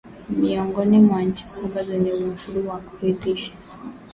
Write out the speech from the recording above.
miongoni mwa nchi saba zenye uhuru wa kuridhisha